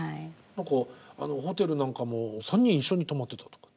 ホテルなんかも３人一緒に泊まってたとかって。